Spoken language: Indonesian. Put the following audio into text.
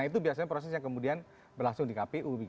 itu biasanya proses yang kemudian berlangsung di kpu